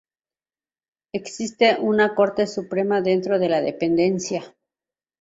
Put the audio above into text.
Existe una Corte Suprema dentro de la dependencia.